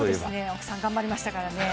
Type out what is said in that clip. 奥さん頑張りましたからね。